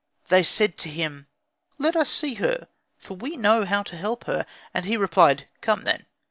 They said to him, "Let us see her, for we know how to help her." And he replied, "Come, then."